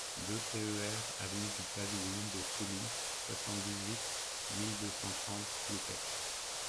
deux TER avenue du Pavillon de Sully, soixante-dix-huit mille deux cent trente Le Pecq